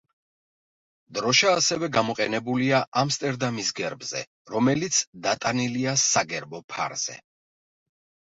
დროშა ასევე გამოყენებულია ამსტერდამის გერბზე, რომელიც დატანილია საგერბო ფარზე.